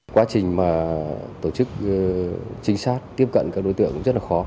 quá trình mà tổ chức chính xác tiếp cận các đối tượng rất là khó